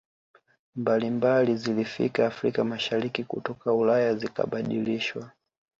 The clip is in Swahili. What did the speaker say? mbalimbali zilifika Afrika Mashariki kutoka Ulaya zikabadilishwa